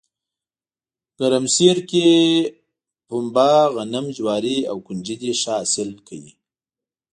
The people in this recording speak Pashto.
ګرمسیر کې پنه، غنم، جواري او ُکنجدي ښه حاصل کوي